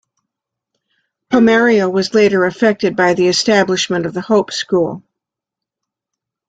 Pomaria was later affected by the establishment of the Hope School.